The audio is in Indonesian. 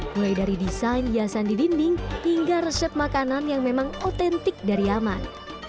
mulai dari desain hiasan di dinding hingga resep makanan yang memang otentik dari aman